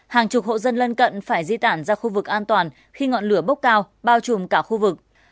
hàng chục hộ dân lân cận phải di tản ra khu vực an toàn khi ngọn lửa bốc cao bao trùm cả khu vực